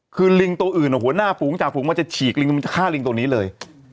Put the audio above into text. คือลิงตัวอื่นหัวหน้าฝูงจากฝูงมันจะฉีกลิงมันจะฆ่าลิงตัวนี้เลย